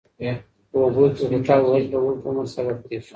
په اوبو کې غوټه وهل د اوږد عمر سبب کېږي.